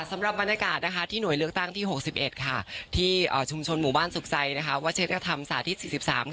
สำหรับบรรยากาศที่หน่วยเลือกตั้งที่๖๑ที่ชุมชนหมู่บ้านสุขใจวัชิกธรรมสาธิต๔๓